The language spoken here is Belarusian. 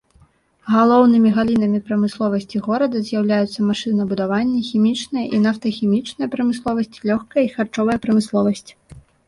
Галоўнымі галінамі прамысловасці горада з'яўляюцца машынабудаванне, хімічная і нафтахімічная прамысловасць, лёгкая і харчовая прамысловасць.